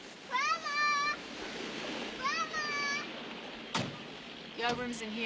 ママ！